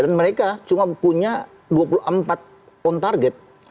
dan mereka cuma punya dua puluh empat on target